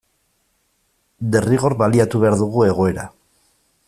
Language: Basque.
Derrigor baliatu behar dugu egoera.